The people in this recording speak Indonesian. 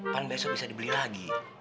pan besok bisa dibeli lagi